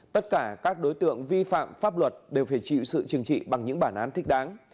tất cả các đối tượng vi phạm pháp luật đều phải chịu sự chừng trị bằng những bản án thích đáng